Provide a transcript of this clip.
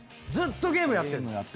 ずっとゲームやってんの？